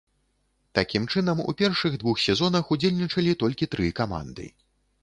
Такім чынам, у першых двух сезонах удзельнічалі толькі тры каманды.